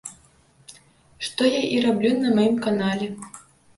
Што я і раблю на маім канале.